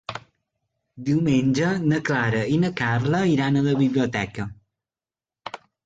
Diumenge na Clara i na Carla iran a la biblioteca.